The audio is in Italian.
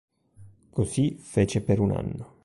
Così fece per un anno.